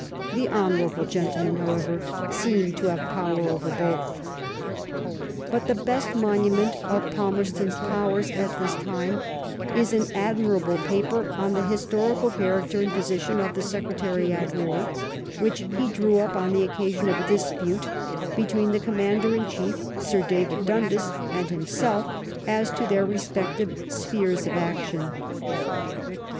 The honourable gentleman, however, seemed to have power over both." But the best monument of Palmerston's powers at this time is an admirable paper on the historical character and position of the Secretary at War, which he drew up on the occasion of a dispute between the Commander in Chief, Sir David Dundas, and himself as to their respective spheres of action.